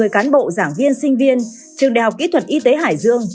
hai trăm năm mươi cán bộ giảng viên sinh viên trường đại học kỹ thuật y tế hải dương